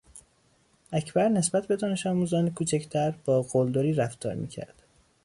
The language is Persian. اکبر نسبت به دانشآموزان کوچکتر با قلدری رفتار میکرد.